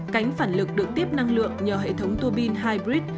cánh phản lực được tiếp năng lượng nhờ hệ thống turbin hybrid